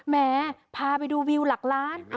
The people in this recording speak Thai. แหมพาไปดูวิวหลักล้าน